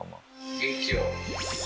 元気よ。